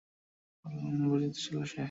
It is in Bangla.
উষ্ট্র রঙ্গের আলখেল্লা পরিহিত ছিল সে।